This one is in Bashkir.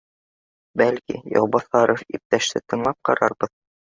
— Бәлки, Яубаҫаров иптәште тыңлап ҡарарбыҙ